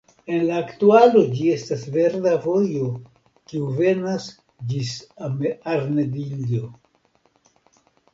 En la aktualo ĝi estas verda vojo kiu venas ĝis Arnedillo.